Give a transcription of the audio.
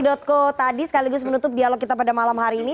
dotco tadi sekaligus menutup dialog kita pada malam hari ini